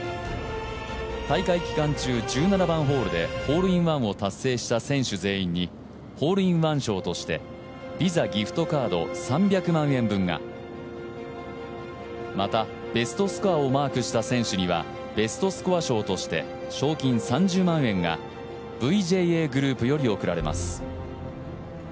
大会期間中、１７番ホールでホールインワンを達成した選手全員にホールインワン賞としてＶｉｓａギフトカード３００万円分がまた、ベストスコアをマークした選手には、ベストスコア賞として賞金３０万円がＶＪＡグループより贈られます。